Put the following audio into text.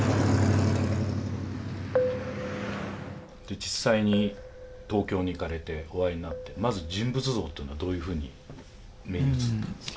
実際に東京に行かれてお会いになってまず人物像というのはどういうふうに目に映ったんですか？